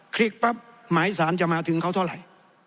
ลิกปั๊บหมายสารจะมาถึงเขาเท่าไหร่